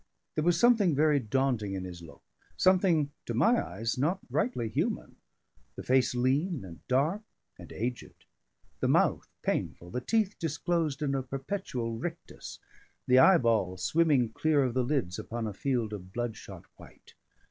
There was something very daunting in his look; something to my eyes not rightly human; the face lean, and dark, and aged, the mouth painful, the teeth disclosed in a perpetual rictus; the eyeball swimming clear of the lids upon a field of blood shot white.